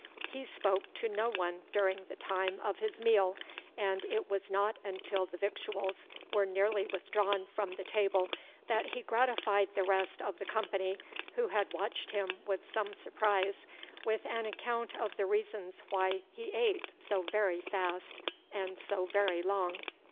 He spoke to no one during the time of his meal; and it was not until the victuals were nearly withdrawn from the table, that he gratified the rest of the company, who had watched him with some surprise, with an account of the reasons why he ate so very fast and so very long.